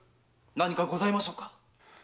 何かございましょうか？